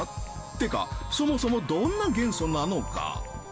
ってかそもそもどんな元素なのか？